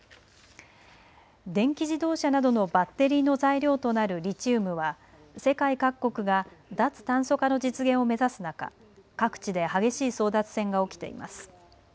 電気自動車などのバッテリーの材料となるリチウムは世界各国が脱炭素化の実現を目指す中、各地で激しい争奪戦が起きています。